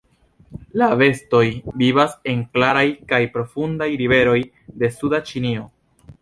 La bestoj vivas en klaraj kaj profundaj riveroj de suda Ĉinio.